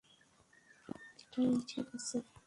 এটাই ঠিক আছে।